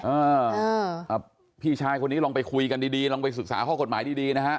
อ่าพี่ชายคนนี้ลองไปคุยกันดีดีลองไปศึกษาข้อกฎหมายดีดีนะฮะ